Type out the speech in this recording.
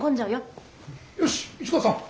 よし市川さん。